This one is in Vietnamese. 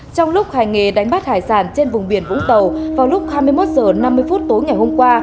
trong lúc hành nghề đánh bắt hải sản trên vùng biển vũng tàu vào lúc hai mươi một h năm mươi tối ngày hôm qua